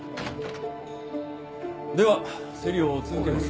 では競りを続けます。